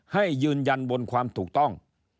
ให้ยืนยันบนความถูกต้อง